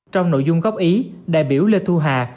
trong nội dung góp ý đại biểu lê thu hà